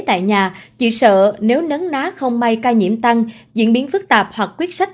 tại nhà chị sợ nếu nấn ná không may ca nhiễm tăng diễn biến phức tạp hoặc quyết sách